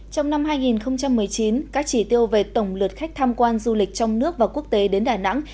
trong năm hai nghìn một mươi chín các chỉ tiêu về tổng lượt khách tham quan du lịch trong nước và quốc tế đến đà nẵng